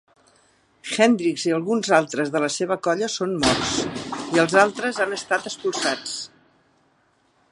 Hendricks i alguns altres de la seva colla són morts, i els altres han estat expulsats.